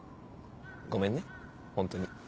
ごめんねホントに。